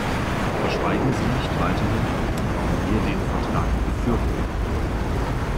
Verschweigen Sie nicht weiterhin, warum wir den Vertrag befürworten.